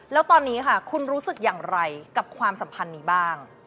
แล้วตอนนี้ค่ะคุณรู้สึกอย่างไรกับความสัมพันธ์นี้บ้าง